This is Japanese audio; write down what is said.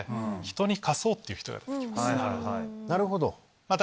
なるほど。